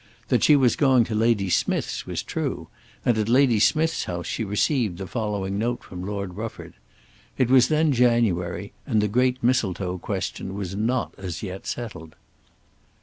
That she was going to Lady Smijth's was true, and at Lady Smijth's house she received the following note from Lord Rufford. It was then January, and the great Mistletoe question was not as yet settled.